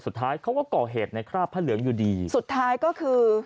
สุดท้ายเขาก็ก่อเหตุในคราบพระเหลืองอยู่ดีสุดท้ายก็คือ